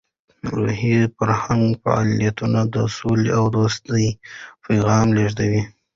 روسي فرهنګي فعالیتونه د سولې او دوستۍ پیغام لېږل.